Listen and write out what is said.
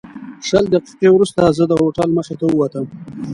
شل دقیقې وروسته زه د هوټل مخې ته ووتم.